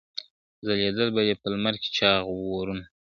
ځلېدل به یې په لمر کي چاغ ورنونه ,